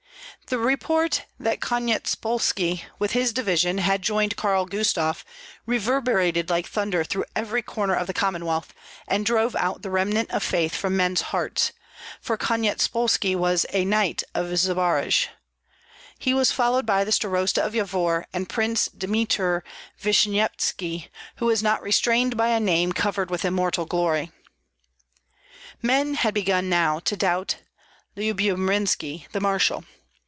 The report that Konyetspolski with his division had joined Karl Gustav reverberated like thunder through every corner of the Commonwealth, and drove out the remnant of faith from men's hearts, for Konyetspolski was a knight of Zbaraj. He was followed by the starosta of Yavor and Prince Dymitr Vishnyevetski, who was not restrained by a name covered with immortal glory. Men had begun now to doubt Lyubomirski, the marshal.